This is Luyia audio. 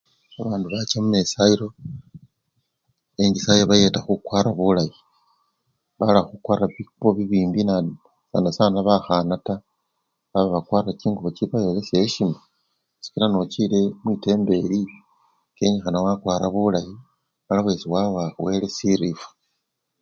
Babandu bacha mumesayilo, enchisaya ebayeta khukwara bulayi, bala khukwara bikubo bibimbi nabi sana sana bakhana taa, baba bakwara chingubo chibawelesya esyima, sikila nochile mwitembeli, kenyikhana wakwara bulayi mala wesi wawa wele sirifwa.